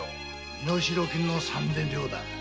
身代金の三千両だ。